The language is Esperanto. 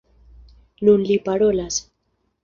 Nun li parolas.